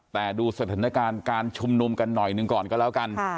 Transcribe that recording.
แต่ดูสถานการณ์การชุมนุมกันหน่อยหนึ่งก่อนก็แล้วกัน